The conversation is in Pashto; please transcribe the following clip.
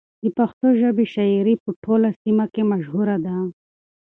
د پښتو ژبې شاعري په ټوله سیمه کې مشهوره ده.